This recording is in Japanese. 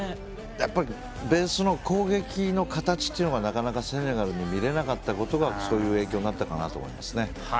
ベースの攻撃の形っていうのがなかなかセネガルに見れなかったことがそういう影響になったかなと思います。